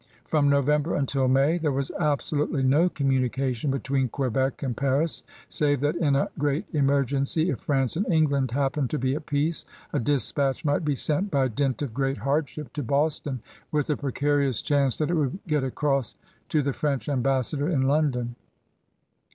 From Novem ber until May there was absolutely no conununi cation between Quebec and Paris save that in a great emergency, if France and England happened to be at peace, a dispatch might be sent by dint of great hardship to Boston with a precarious chance that it would get across to the French ambassador in London.